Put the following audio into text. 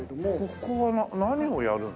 ここは何をやるの？